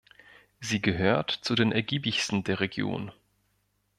Sie gehört zu den ergiebigsten der Region.